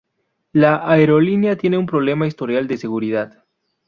La aerolínea tiene un pobre historial de seguridad.